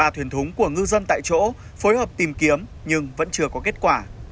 ba thuyền thúng của ngư dân tại chỗ phối hợp tìm kiếm nhưng vẫn chưa có kết quả